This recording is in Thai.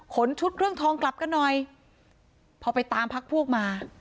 ชุดเรื่องทองกลับกันหน่อยพอไปตามพักพวกมา